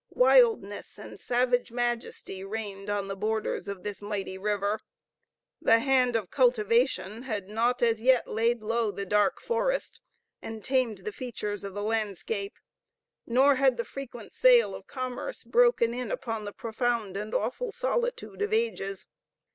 Wildness and savage majesty reigned on the borders of this mighty river; the hand of cultivation had not as yet laid low the dark forest and tamed the features of the landscape, nor had the frequent sail of commerce broken in upon the profound and awful solitude of ages.